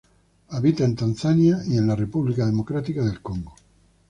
Habita en Tanzania y República Democrática del Congo.